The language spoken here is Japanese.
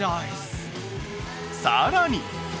さらに！